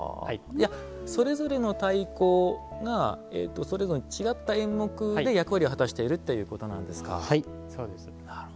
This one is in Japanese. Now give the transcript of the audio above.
それぞれの太鼓がそれぞれ違った演目で役割を果たしているということなんですか。